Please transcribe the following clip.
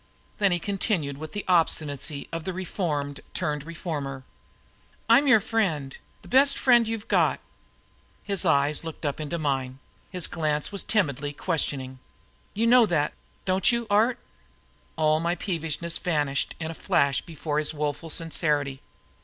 Then he continued with the obstinacy of the reformed turned reformer: "I'm your friend, the best friend you've got." His eyes looked up into mine and his glance was timidly questioning. "You know that, don't you, Art?" All my peevishness vanished in a flash before his woeful sincerity.